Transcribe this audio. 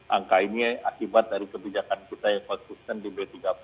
angka ini akibat dari kebijakan kutai fakusten di b tiga puluh